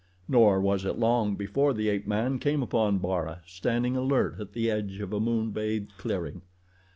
Nor was it long before the ape man came upon Bara standing alert at the edge of a moon bathed clearing.